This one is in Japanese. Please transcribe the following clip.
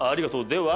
では